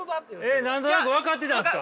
え何となく分かってたんですか？